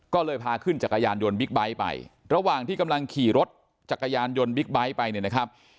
ก็เลยพาขึ้นจักรยานยนต์บิ๊กไบท์ไประหว่างที่กำลังขี่รถจักรยานยนต์บิ๊กไบท์ไปเนี่ยนะครับ